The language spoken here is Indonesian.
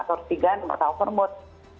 atau tiram tiga atau halvermut